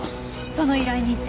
その依頼人って。